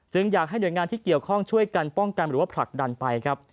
อยากให้หน่วยงานที่เกี่ยวข้องช่วยกันป้องกันหรือว่าผลักดันไปครับ